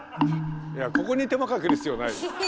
ここに手間かける必要ないでしょ。